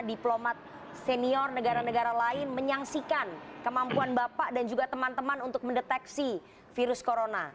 diplomat senior negara negara lain menyaksikan kemampuan bapak dan juga teman teman untuk mendeteksi virus corona